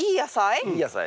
いい野菜？